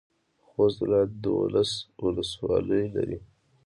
خوست ولایت دولس ولسوالۍ لري.